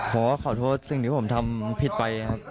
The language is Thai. ขอโทษสิ่งที่ผมทำผิดไปครับ